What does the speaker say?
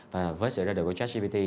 và với sự ra đời của jack gpt